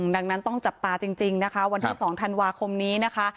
ดังนั้นต้องจับตาจริงนะคะวันที่๒ธันวาคมนี้นะคะ